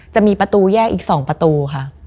จะมีประตูแยกอีก๒ประตูค่ะ